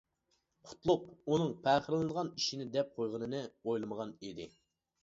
قۇتلۇق ئۇنىڭ پەخىرلىنىدىغان ئىشىنى دەپ قويغىنىنى ئويلىمىغان ئىدى.